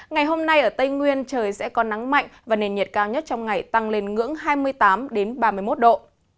ngày hôm nay ở tây nguyên trời sẽ có nắng mạnh và nền nhiệt cao nhất trong ngày tăng lên ngưỡng hai mươi tám ba mươi một độ